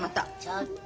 ちょっと。